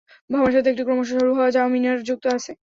ভবনের সাথে একটি ক্রমশ সরু হয়ে যাওয়া মিনার যুক্ত আছে।